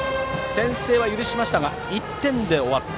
先制は許しましたが１点で終わった。